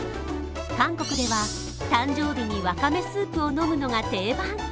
韓国では誕生日にわかめスープを飲むのは定番。